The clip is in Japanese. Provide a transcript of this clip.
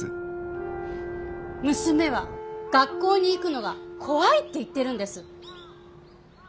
娘は学校に行くのが怖いって言ってるんです。